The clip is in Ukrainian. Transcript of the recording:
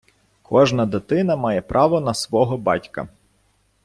Кожна дитина має право на “свого” батька.